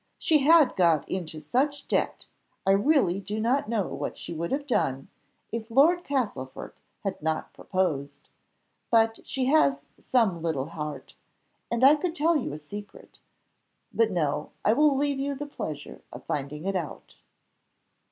She had got into such debt, I really do not know what she would have done if Lord Castlefort had not proposed; but she has some little heart, and I could tell you a secret; but no, I will leave you the pleasure of finding it out."